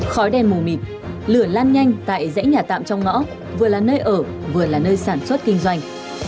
khói đen mù mịt lửa lan nhanh tại dãy nhà tạm trong ngõ vừa là nơi ở vừa là nơi sản xuất kinh doanh